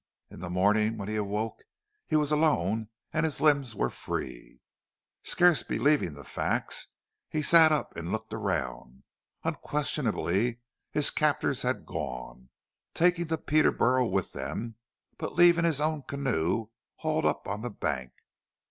In the morning, when he awoke, he was alone and his limbs were free. Scarce believing the facts he sat up and looked around him. Unquestionably his captors had gone, taking the Peterboro' with them, but leaving his own canoe hauled up on the bank.